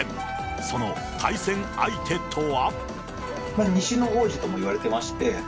その対戦相手とは。